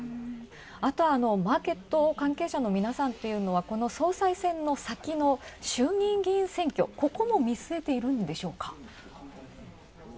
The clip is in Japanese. あと、マーケット関係者の皆さんというのは、この総裁選の先の衆議院議員選挙ここも見据えているんでしょうか？